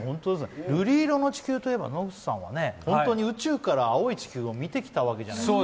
「瑠璃色の地球」といえば、野口さんは本当に青い地球を見てきたわけじゃないですか。